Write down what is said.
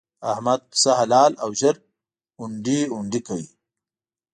احمد پسه حلال او ژر هنډي هنډي کړ.